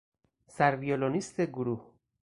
سر ویولونیست گروه